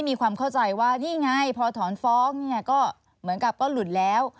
มีความเข้าใจว่านี่ไงพอถอนฟ้องเนี่ยก็เหมือนกับก็หลุดแล้ว